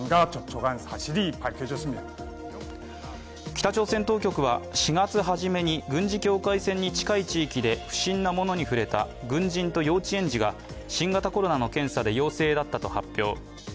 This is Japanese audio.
北朝鮮当局は４月初めに軍事境界線に近い地域で不審な物に触れた軍人と幼稚園児が新型コロナの検査で陽性だったと発表。